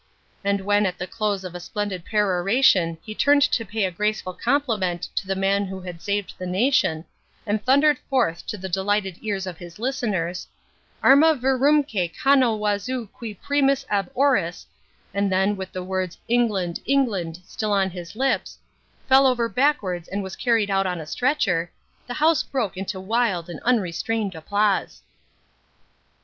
And when at the close of a splendid peroration he turned to pay a graceful compliment to the man who had saved the nation, and thundered forth to the delighted ears of his listeners Arma virumque cano Wazoo qui primus ab oris, and then, with the words "England, England," still on his lips, fell over backwards and was carried out on a stretcher, the House broke into wild and unrestrained applause.